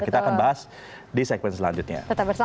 kita akan bahas di segmen selanjutnya